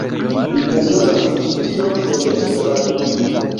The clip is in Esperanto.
Ni bezonas ĉi tion en Esperantujo